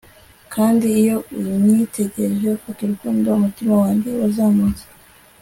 Kandi iyo unyitegereje ufite urukundo umutima wanjye wazamutse